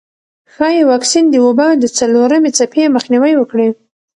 ښايي واکسین د وبا د څلورمې څپې مخنیوی وکړي.